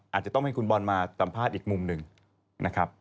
อาจจะต้องให้คุณบอลมาสัมภาษณ์อีกมุมหนึ่งนะครับ